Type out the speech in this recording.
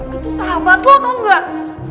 itu sahabat lo tau nggak